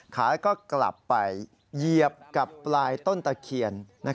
ขาก็กลับไปเหยียบกับปลายต้นตะเคียน